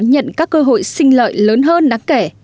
và đón nhận các cơ hội sinh lợi lớn hơn đáng kể